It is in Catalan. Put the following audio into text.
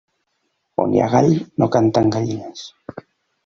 On hi ha gall, no canten gallines.